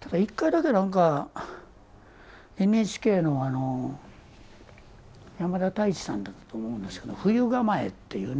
ただ１回だけなんかＮＨＫのあの山田太一さんだったと思うんですけど「冬構え」っていうね。